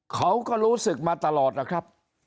เขาก็รู้สึกมาตลอดนะครับ